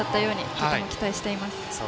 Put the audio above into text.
とても期待しています。